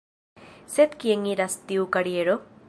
Sed kien iras tiu kariero...?